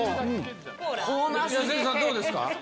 良純さん、どうですか？